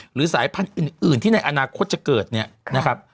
หรือสายพันธุ์อื่นที่ในอนาคตจะเกิดเนี่ยนะครับ